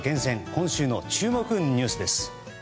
今週の注目ニュースです。